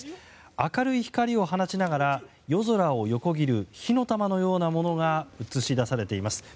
明るい光を放ちながら夜空を横切る火の玉のようなものが映し出されています。